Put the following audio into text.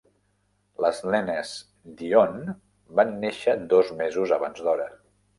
Les nenes Dionne van néixer dos mesos abans d'hora.